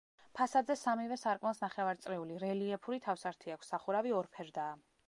ფასადზე სამივე სარკმელს ნახევარწრიული, რელიეფური თავსართი აქვს, სახურავი ორფერდაა.